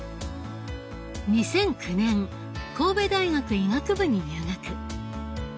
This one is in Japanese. ２００９年神戸大学医学部に入学。